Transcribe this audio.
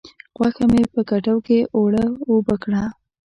غوښه مې په کټو کې اوړه و اوبه کړه.